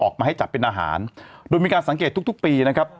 มาให้จัดเป็นอาหารโดยมีการสังเกตทุกทุกปีนะครับ